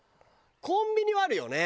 コンビニはあるよね。